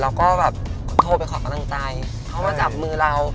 แล้วก็แบบโทรไปขอกำลังใจเขามาจับมือเรา